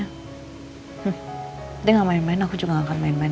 dia gak main main aku juga gak akan main main